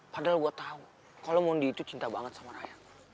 padahal gue tahu kalau mondi itu cinta banget sama rakyat